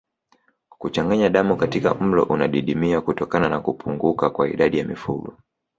Kuchanganya damu katika mlo unadidimia kutokana na kupunguka kwa idadi ya mifugo